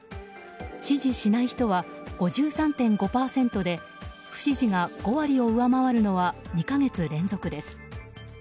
支持しない人は５３．５％で不支持が５割を上回るのは２か月連続です。